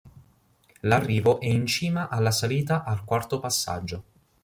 L'arrivo è in cima alla salita al quarto passaggio.